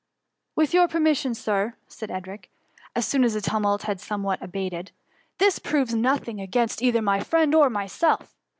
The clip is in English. " With your permission. Sir, said Edric, as soon as the tumult had somewhat abated, *^ this proves nothing against either my friend or myself.